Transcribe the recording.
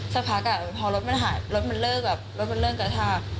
สักพักพอรถมันหายรถมันเลิกแบบรถมันเริ่มกระชาก